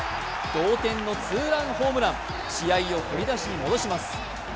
同点のツーランホームラン、試合を振り出しに戻します。